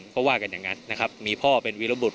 เพราะว่ากันอย่างนั้นมีพ่อเป็นวีระบุรุษ